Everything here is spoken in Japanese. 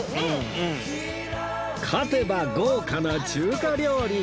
勝てば豪華な中華料理。